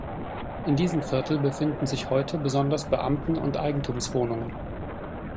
In diesem Viertel befinden sich heute besonders Beamten- und Eigentumswohnungen.